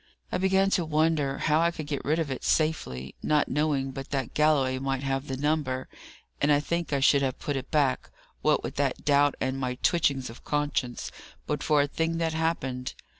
I began to wonder how I could get rid of it safely, not knowing but that Galloway might have the number, and I think I should have put it back, what with that doubt and my twitchings of conscience, but for a thing that happened.